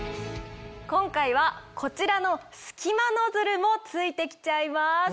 今回はこちらの隙間ノズルも付いてきちゃいます。